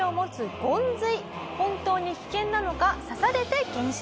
「本当に危険なのか刺されて検証」